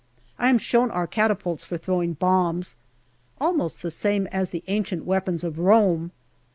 I am sho\vn our catapults for throwing bombs, almost the same as the ancient weapons of Rome.